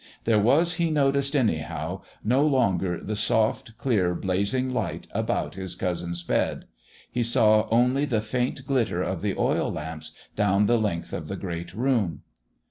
There was, he noticed, anyhow, no longer the soft, clear, blazing light about his cousin's bed. He saw only the faint glitter of the oil lamps down the length of the great room....